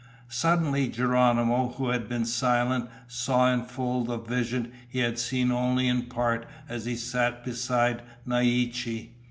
Suddenly Geronimo, who had been silent, saw in full the vision he had seen only in part as he sat beside Naiche.